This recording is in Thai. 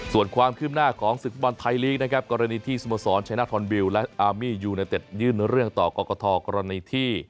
ส่วนความขึ้นหน้าของศึกฟุตบอลไทยลีกซ์กรณีที่สมสรรค์ชัยหน้าทรอนบิลล์และอารมียูนาเต็ดยืนเรื่องต่อกรกฐอกรณีที่